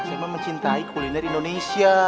saya mah mencintai kuliner indonesia